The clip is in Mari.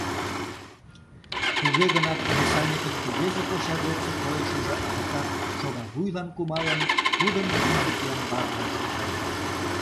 Туге гынат, кресаньыкын кугезе коча годсо койышыжо адакат шогавуйлан кумалын, тудым кинде пиямбарлан шотлен.